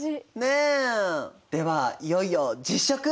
ではいよいよ実食！